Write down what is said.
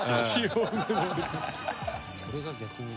これが逆に。